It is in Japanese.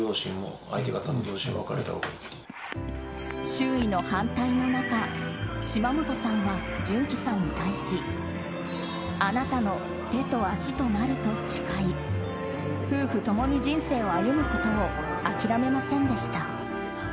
周囲の反対の中島本さんは潤熙さんに対しあなたの手と足となると誓い夫婦ともに人生を歩むことを諦めませんでした。